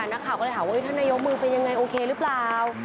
นักข่าวก็เลยถามว่าท่านนายกมือเป็นยังไงโอเคหรือเปล่า